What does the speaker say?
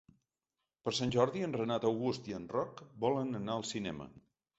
Per Sant Jordi en Renat August i en Roc volen anar al cinema.